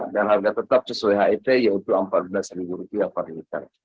dan harga tetap sesuai hit yaitu rp empat belas per liter